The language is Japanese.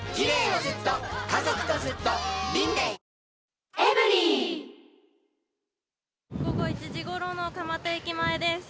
あー、午後１時ごろの蒲田駅前です。